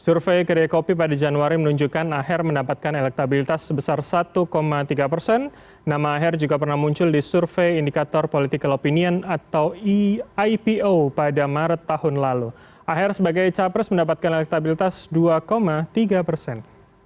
survei litbang kompas pada dua puluh empat september hingga tujuh oktober menunjukkan nama ahi muncul dalam lima besar bursa calon